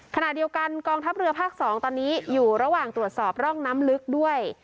ขณะเดียวกันกองทัพเรือภาค๒ตอนนี้อยู่ระหว่างตรวจสอบร่องน้ำลึกด้วย